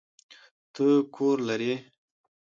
ته کور لری؟